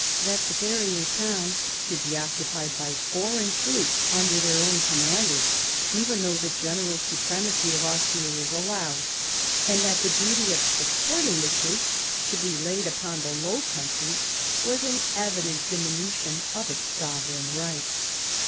That the barrier towns should be occupied by foreign troops under their own commanders, even though the general supremacy of Austria was allowed, and that the duty of supporting the troops should be laid upon the Low Countries, was an evident diminution of its sovereign rights.